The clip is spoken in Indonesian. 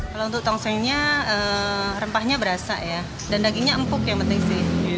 kalau untuk tongsengnya rempahnya berasa ya dan dagingnya empuk yang penting sih